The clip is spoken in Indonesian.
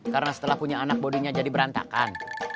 karena setelah punya anak bodinya jadi berantakan